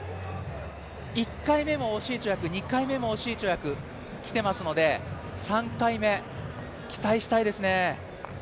１回目も惜しい跳躍、２回目も惜しい跳躍がきていますので、３回目、期待したいですね。